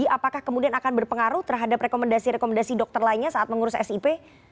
apakah kemudian akan berpengaruh terhadap rekomendasi rekomendasi dokter lainnya saat mengurus sip